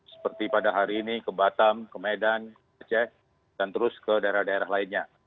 seperti pada hari ini ke batam ke medan aceh dan terus ke daerah daerah lainnya